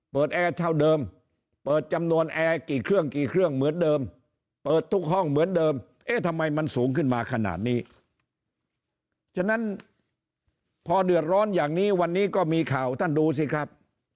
พอเดือดร้อนอย่างนี้วันนี้ก็มีข่าวท่านดูสิครับ